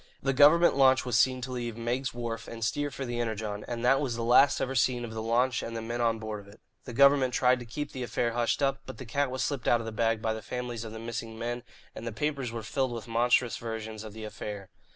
The government launch was seen to leave Meigg's Wharf and steer for the Energon, and that was the last ever seen of the launch and the men on board of it. The government tried to keep the affair hushed up, but the cat was slipped out of the bag by the families of the missing men, and the papers were filled with monstrous versions of the affair.